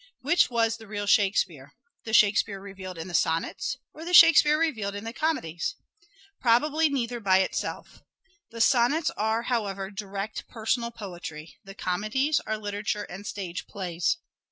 Which was the real Shakespeare ? The Shakespeare revealed in the sonnets or the Shakespeare revealed in the comedies ? Probably neither by itself. The sonnets are, however, direct personal poetry ; the comedies are literature and stage plays.